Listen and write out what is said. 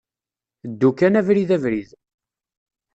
Ddu kan abrid abrid.